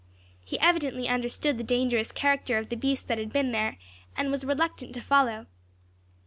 He evidently understood the dangerous character of the beast that had been there, and was reluctant to follow.